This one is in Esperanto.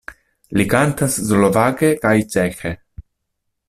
Li kantas slovake kaj ĉeĥe.